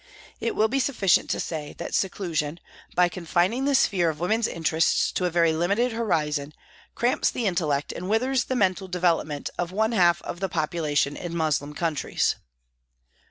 It will be sufficient to sav that seclusion, by confining the sphere of MY CONVERSION 17 women's interest to a very limited horizon, cramps the intellect and withers the mental development of one half of the population in Moslem countries.